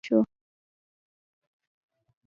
د اوسلو تر موافقې وروسته په غزه کې هوايي ډګر جوړ شو.